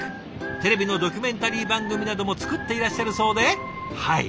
テレビのドキュメンタリー番組なども作っていらっしゃるそうではい